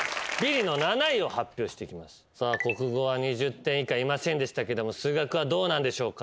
国語は２０点以下いませんでしたけども数学はどうなんでしょうか？